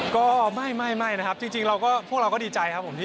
ก็ไม่นะครับจริงเราก็พวกเราก็ดีใจครับผม